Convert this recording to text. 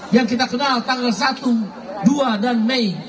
yang kita kenal tanggal satu dua dan mei